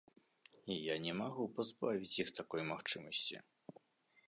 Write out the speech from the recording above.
І я не магу пазбавіць іх такой магчымасці.